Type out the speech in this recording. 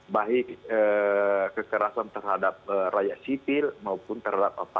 baik kekerasan terhadap rakyat sipil maupun terhadap aparat keamanan